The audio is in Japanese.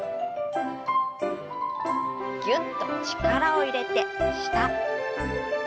ぎゅっと力を入れて下。